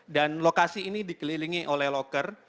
dan lokasi ini dikelilingi oleh locker